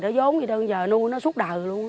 nó vốn gì đâu giờ nuôi nó suốt đời luôn